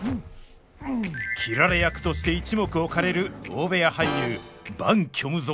斬られ役として一目置かれる大部屋俳優伴虚無